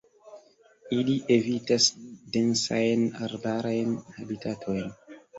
Ili evitas densajn arbarajn habitatojn.